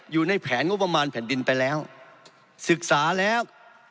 อยู่ในแผนงบประมาณแผ่นดินไปแล้วศึกษาแล้ว